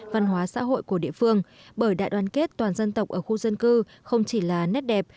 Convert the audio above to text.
văn hóa xã hội của địa phương bởi đại đoàn kết toàn dân tộc ở khu dân cư không chỉ là nét đẹp